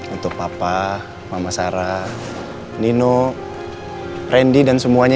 untuk papa mama sarah nino randy dan semuanya